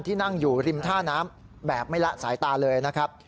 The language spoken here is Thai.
นั่งอยู่ริมท่าน้ำแบบไม่ละสายตาเลยนะครับ